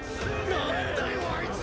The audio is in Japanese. なんだよあいつ！